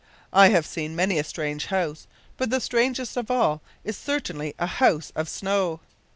I have seen many a strange house, but the strangest of all is certainly a house of snow!